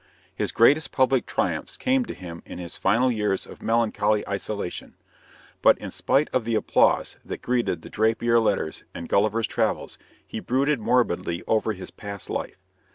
His greatest public triumphs came to him in his final years of melancholy isolation; but in spite of the applause that greeted The Drapier Letters and Gulliver's Travels, he brooded morbidly over his past life.